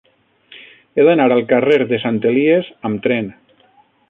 He d'anar al carrer de Sant Elies amb tren.